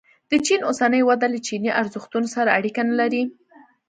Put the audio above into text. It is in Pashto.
د چین اوسنۍ وده له چیني ارزښتونو سره اړیکه نه لري.